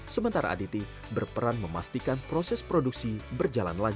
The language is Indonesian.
sementara aditi berperan memastikan proses produksi berjalan lancar